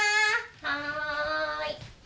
はい。